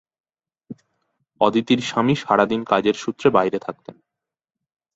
অদিতির স্বামী সারাদিন কাজের সূত্রে বাইরে থাকতেন।